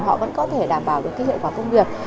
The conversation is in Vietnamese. họ vẫn có thể đảm bảo được cái hiệu quả công việc